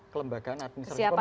kelembagaan administrasi pemilu